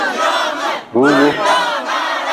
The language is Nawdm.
Ruugu.